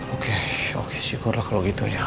oke oke si kurah kalau gitu ya